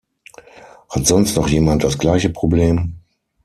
Hat sonst noch jemand das gleiche Problem?